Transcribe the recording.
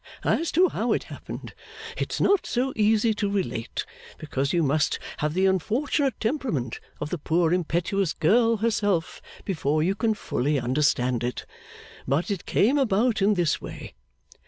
'As to how it happened, it's not so easy to relate: because you must have the unfortunate temperament of the poor impetuous girl herself, before you can fully understand it. But it came about in this way.